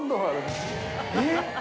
えっ！